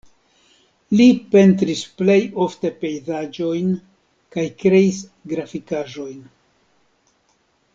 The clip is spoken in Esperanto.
Li pentris plej ofte pejzaĝojn kaj kreis grafikaĵojn.